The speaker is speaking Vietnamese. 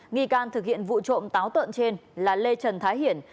nghi can thực hiện vụ trộm táo tợn trên là lê trần thái hiển